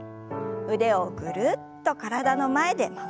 腕をぐるっと体の前で回しましょう。